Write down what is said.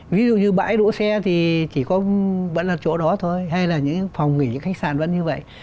ví dụ như bãi đỗ xe thì chỉ có vẫn là chỗ đó thôi hay là những phòng nghỉ những khách sạn vẫn như vậy